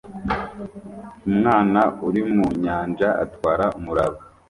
Umwana uri mu nyanja atwara umuraba